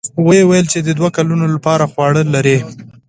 ويې ويل چې د دوو کلونو له پاره خواړه لري.